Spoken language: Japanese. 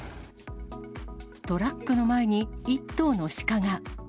トラックの前に１頭のシカが。